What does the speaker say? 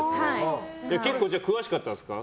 結構詳しかったんですか？